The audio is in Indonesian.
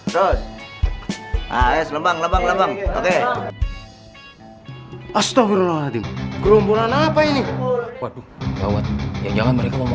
lembang lembang oke astaghfirullahaladzim kelompokan apa ini waduh jawab yang jangan mereka mau